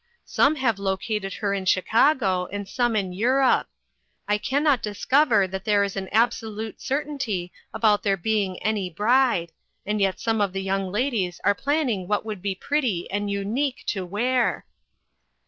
Some have located her in Chicago, and some in Europe. I can not discover that there is an absolute certainty about there being any bride, and yet some of the young ladies are planning what would be pretty and unique to wear.